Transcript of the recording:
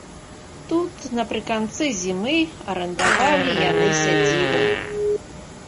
Тут напрыканцы зімы арандавалі яны сядзібу.